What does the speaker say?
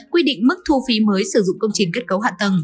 quy định mức thu phí mới sử dụng công trình kết cấu hạ tầng